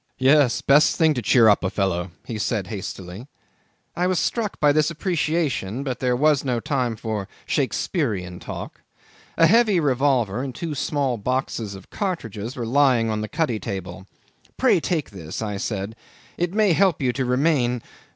"Yes. Best thing to cheer up a fellow," he said hastily. I was struck by this appreciation, but there was no time for Shakespearian talk. A heavy revolver and two small boxes of cartridges were lying on the cuddy table. "Pray take this," I said. "It may help you to remain."